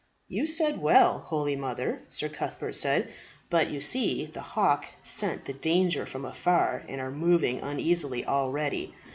"You said well, holy mother," Sir Cuthbert said. "But you see the hawks scent the danger from afar, and are moving uneasily already.